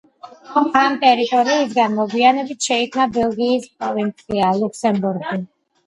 ამ ტერიტორიისგან მოგვიანებით შეიქმნა ბელგიის პროვინცია ლუქსემბურგი.